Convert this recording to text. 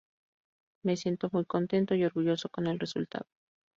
Me siento muy contento y orgulloso con el resultado".